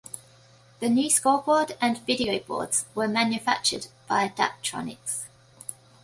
The new scoreboard and video boards were manufactured by Daktronics.